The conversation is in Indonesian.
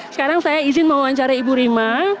sekarang saya izin mewawancarai ibu rima